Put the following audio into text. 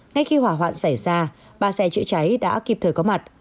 ngay khi hỏa hoạn xảy ra ba xe chữa cháy đã kịp thời có mặt